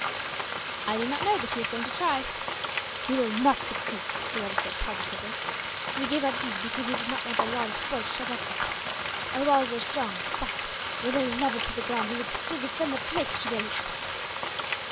"I do not know, but he is going to try." "He will not succeed," the rajah said, positively. "We gave up Deeg, because we did not want a large force shut up there. Our walls are strong but, were they levelled to the ground, we would still defend the place to the last."